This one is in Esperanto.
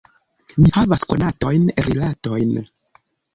Mi havas konatojn, rilatojn.